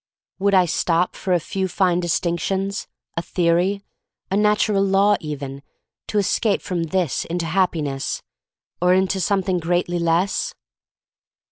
Would I stop for a few fine distinc tions, a theory, a natural law even, to escape from this into Happiness — or into something greatly less?